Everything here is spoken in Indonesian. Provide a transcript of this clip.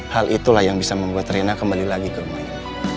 hal itulah yang bisa membuat rena kembali lagi ke rumah ini